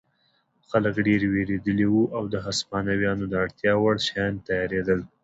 خلک ډېر وېرېدلي وو او د هسپانویانو د اړتیا وړ شیان تیارېدل.